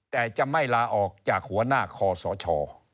แต่จะไม่ลาออกจากหัวหน้าคอสช